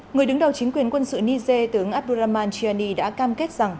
người đứng đầu chính quyền quân sự niger tướng abduraman chiani đã cam kết rằng